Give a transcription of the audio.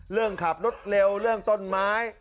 เรื่องขับรถเร็วเรื่องต้นไม้